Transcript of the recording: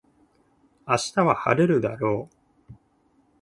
明日は晴れるだろう